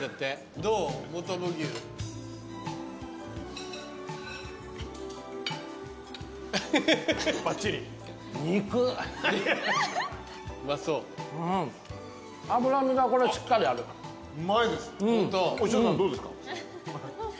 どうですか？